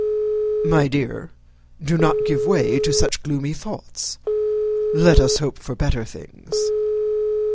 "My dear, do not give way to such gloomy thoughts. Let us hope for better things.